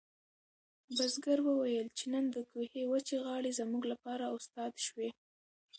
بزګر وویل چې نن د کوهي وچې غاړې زموږ لپاره استاد شوې.